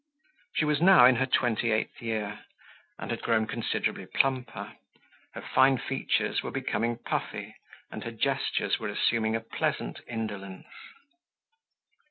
She was now in her twenty eighth year, and had grown considerably plumper. Her fine features were becoming puffy, and her gestures were assuming a pleasant indolence.